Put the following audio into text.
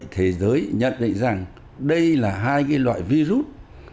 thế giới nhận định rằng đây là hai loại virus